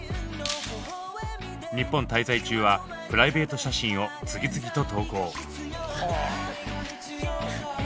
日本滞在中はプライベート写真を次々と投稿。